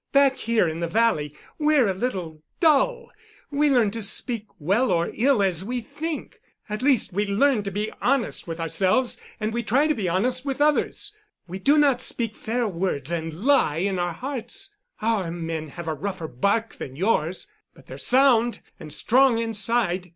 Back here in the valley we're a little dull. We learn to speak well or ill as we think. At least, we learn to be honest with ourselves, and we try to be honest with others. We do not speak fair words and lie in our hearts. Our men have a rougher bark than yours, but they're sound and strong inside."